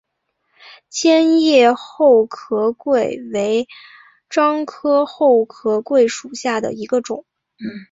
尖叶厚壳桂为樟科厚壳桂属下的一个种。